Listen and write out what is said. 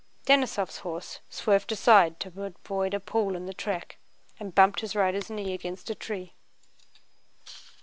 Denísov's horse swerved aside to avoid a pool in the track and bumped his rider's knee against a tree.